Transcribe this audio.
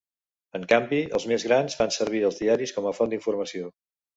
En canvi, els més grans fan servir els diaris com a font d’informació.